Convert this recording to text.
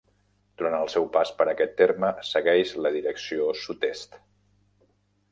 Durant el seu pas per aquest terme segueix la direcció sud-est.